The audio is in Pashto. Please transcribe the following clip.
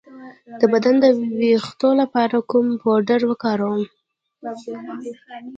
د بدن د ویښتو لپاره کوم پوډر وکاروم؟